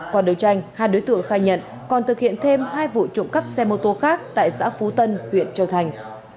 qua đấu tranh hai đối tượng khai nhận còn thực hiện thêm hai vụ trộm cắp xe mô tô khác tại xã phú tân huyện châu thành